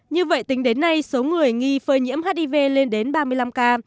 như vậy tính đến nay số người nghi phơi nhiễm hiv lên đến ba mươi năm ca